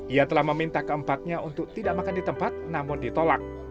ia telah meminta keempatnya untuk tidak makan di tempat namun ditolak